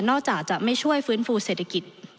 นอกจากจะไม่ช่วยฟื้นฟูเศรษฐกิจ